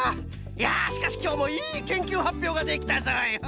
いやしかしきょうもいいけんきゅうはっぴょうができたぞい！